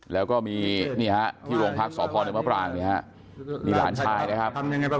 แล้วก็มีนี่ฮะที่โรงพักษพในมปรางเนี่ยฮะนี่หลานชายนะครับ